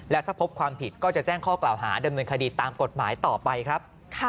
และถ้าพบความผิดก็จะแจ้งข้อกล่าวหาดำเนินคดีตามกฎหมายต่อไปครับ